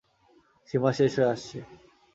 সীমা শেষ হয়ে আসছে।